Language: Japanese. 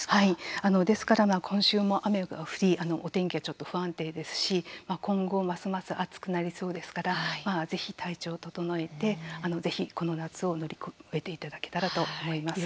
ですから、今週も雨が降りお天気はちょっと不安定ですし今後ますます暑くなりそうですからぜひ、体調を整えてこの夏を乗り越えていただけたらと思います。